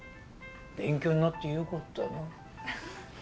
勉強になってよかったな。